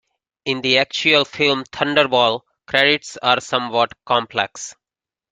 In the actual film "Thunderball", credits are somewhat complex.